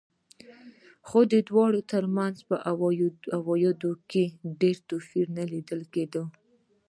خو د دواړو ترمنځ په عوایدو کې ډېر توپیر نه لیدل کېده.